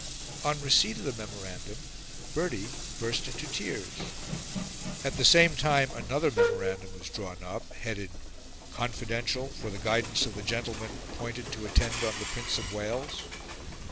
On receipt of the memorandum Bertie burst into tears. At the same time another memorandum was drawn up, headed "confidential: for the guidance of the gentlemen appointed to attend on the Prince of Wales."